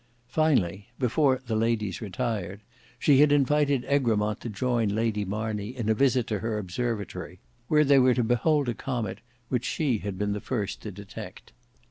Finally before the ladies had retired, she had invited Egremont to join Lady Marney in a visit to her observatory, where they were to behold a comet which she had been the first to detect.